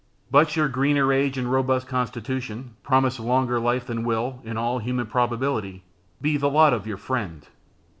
But your greener age and robust constitution promise longer life than will, in all human probability, be the lot of your friend.